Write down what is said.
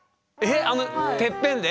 あのてっぺんで？